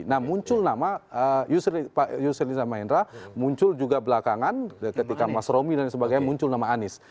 nah muncul nama pak yusriza mahendra muncul juga belakangan ketika mas romi dan sebagainya muncul nama anies